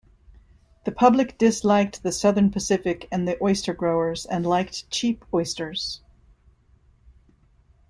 The public disliked the Southern Pacific and the oyster growers, and liked cheap oysters.